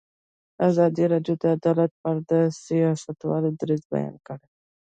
ازادي راډیو د عدالت په اړه د سیاستوالو دریځ بیان کړی.